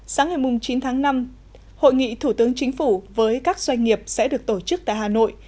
sáng ngày chín tháng năm hội nghị thủ tướng chính phủ với các doanh nghiệp sẽ được tổ chức tại hà nội